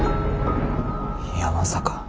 いやまさか。